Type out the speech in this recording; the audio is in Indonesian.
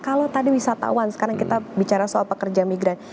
kalau tadi wisatawan sekarang kita bicara soal pekerja migran